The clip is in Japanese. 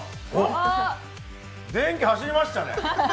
電気走りましたね。